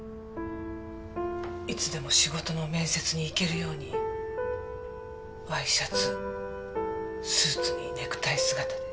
いつでも仕事の面接に行けるようにワイシャツスーツにネクタイ姿で。